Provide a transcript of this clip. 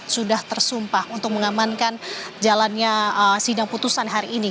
sudah tersumpah untuk mengamankan jalannya sidang putusan hari ini